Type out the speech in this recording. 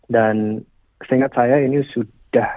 dan seingat saya ini sudah